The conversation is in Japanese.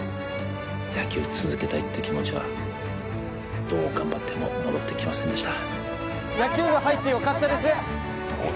野球、続けたいって気持ちはどう頑張って戻ってきませんでした。